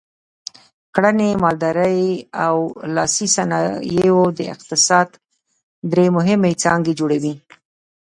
کرنې، مالدارۍ او لاسي صنایعو د اقتصاد درې مهمې څانګې جوړولې.